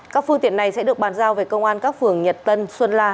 các phương tiện này sẽ được bàn giao về công an các phường nhật tân xuân la